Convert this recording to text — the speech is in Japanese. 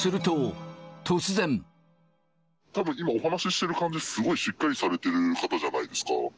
今、お話ししている感じ、すごいしっかりされている方じゃないですか。